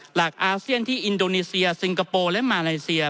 อาเซียนที่อินโดนีเซียซิงคโปร์และมาเลเซีย